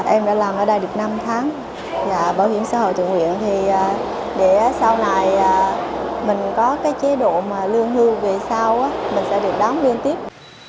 em đã làm ở đây được năm tháng bảo hiểm xã hội tự nguyện để sau này mình có cái chế độ lương hư về sau mình sẽ được đóng liên tiếp